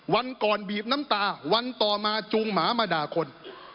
วันก่อนบีบน้ำตาวันต่อมาจูงหมามาด่าคน